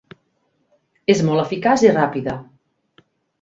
És molt eficaç i ràpida.